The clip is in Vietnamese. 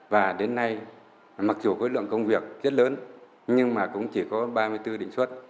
và đến nay mặc dù khối lượng công việc rất lớn nhưng mà cũng chỉ có ba mươi bốn định xuất